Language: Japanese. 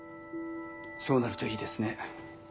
そうなるといいですね。